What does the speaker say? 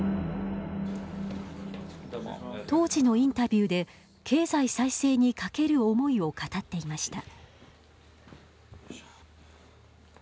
当時のインタビューで経済再生に懸ける思いを語っていました。